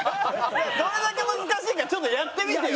どれだけ難しいかちょっとやってみてよ。